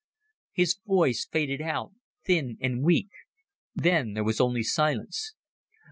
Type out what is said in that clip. His voice faded out, thin and weak. Then there was only silence.